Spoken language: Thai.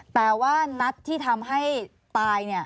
แต่ว่านัดที่ทำให้ตาย